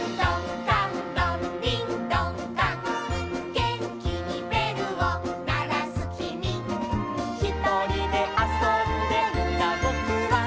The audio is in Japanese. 「げんきにべるをならすきみ」「ひとりであそんでいたぼくは」